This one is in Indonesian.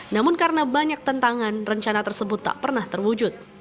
namun karena banyak tentangan rencana tersebut tak pernah terwujud